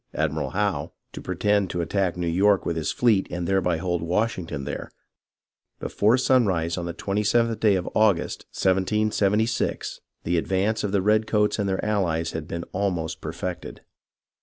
Admiral Howe, to pretend to attack New York with his fleet and thereby hold Wash ington there, before sunrise on the twenty seventh day of August, 1776, the advance of the redcoats and their allies had been almost perfected.